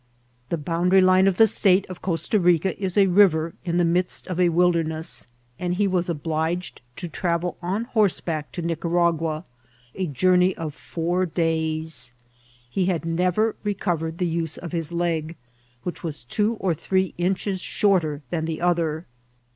The boundary line of the State of Costa Biea is a riyer in the midst of a wildemefls, and he was obliged to travel on horseback to Nicaragua, a journey of four days. He had never recovered the use of his leg, which veas two or three inches shorter than the other.